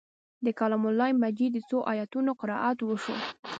د کلام الله مجید د څو آیتونو قرائت وشو.